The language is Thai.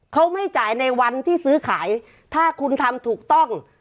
เขาไม่จ่ายในวันที่ซื้อขายถ้าคุณทำถูกต้อง